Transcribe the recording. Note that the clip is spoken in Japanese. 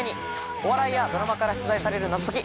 お笑いやドラマから出題される謎解き